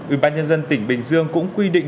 ủy ban nhân dân tỉnh bình dương cũng quy định